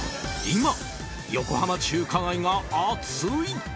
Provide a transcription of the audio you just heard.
今、横浜中華街が熱い！